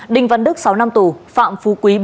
đinh văn đức sáu năm tù phạm phú quý